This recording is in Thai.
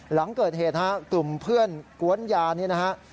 หลังเกิดเหตุกลุ่มเพื่อนกว้นยานี่นะครับ